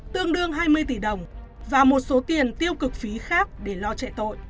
tương đương hai mươi tỷ đồng và một số tiền tiêu cực phí khác để lo chạy tội